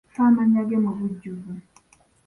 Mpa amannya ge mu bujjuvu?